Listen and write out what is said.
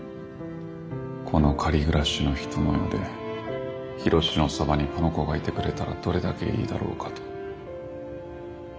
この借り暮らしの人の世で緋炉詩のそばにこの子がいてくれたらどれだけいいだろうかと。